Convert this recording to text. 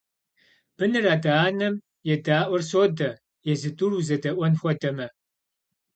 Быныр адэ-анэм едаӀуэр содэ, езы тӀур узэдэӀуэн хуэдэмэ.